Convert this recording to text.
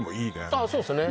ああそうっすね